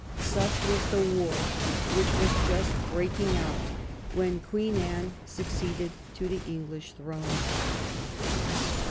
Such was the war which was just breaking out when Queen Anne succeeded to the English throne.